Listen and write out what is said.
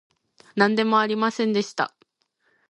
なんでもありませんでした